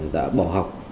đã bỏ học